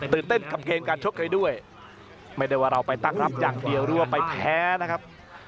เต้นกับเกมการชกใครด้วยไม่ได้ว่าเราไปตั้งรับอย่างเดียวหรือว่าไปแพ้นะครับ